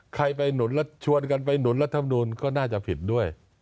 ใครชวนกันไปหนุนรัฐมนูลก็น่าจะผิดด้วย